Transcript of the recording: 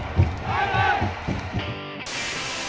ปันปันจะกระยังไป